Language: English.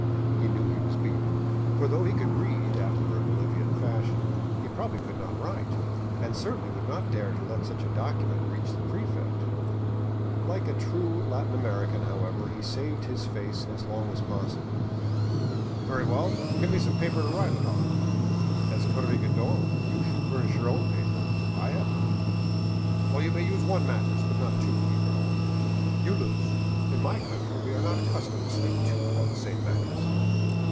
He knew he was beaten; for though he could read, after a Bolivian fashion, he probably could not write, and certainly would not dare let such a document reach the prefect. Like a true Latin American, however, he saved his face as long as possible :" Very well, give me some paper to write it on." " As corregidor, you should furnish your own paper. I have none." " Well, you may use one mattress, but not two," he growled. " You lose. In my country we are not accustomed to sleep two on the same mattress."